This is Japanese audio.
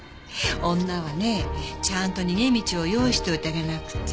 女はねちゃんと逃げ道を用意しておいてあげなくちゃ。